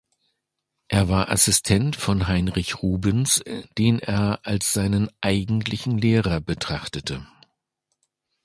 Er war Assistent von Heinrich Rubens, den er als seinen eigentlichen Lehrer betrachtete.